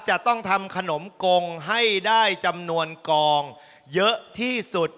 จะต้องทำขนมกงให้ได้จำนวนกองเยอะที่สุด